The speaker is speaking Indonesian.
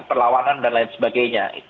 perlawanan dan lain sebagainya